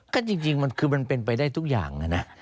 ก็จริงมันคือมันเป็นไปได้ทุกอย่างนะ